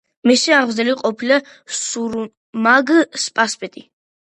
მისი აღმზრდელი ყოფილა საურმაგ სპასპეტი.